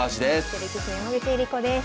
女流棋士の山口恵梨子です。